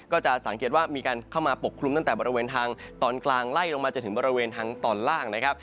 ก็จะสังเกตว่ามีการเข้ามาปกคลุมตั้งแต่บริเวณทางตอนกลางไล่ลงมาจนถึงบริเวณทางตอนล่างนะครับ